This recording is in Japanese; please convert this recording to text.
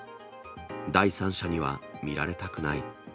第三者には見られたくない。